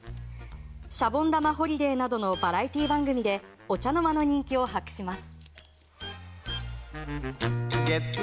「シャボン玉ホリデー」などのバラエティー番組でお茶の間の人気を博します。